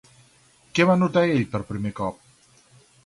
Què va notar ell per primer cop?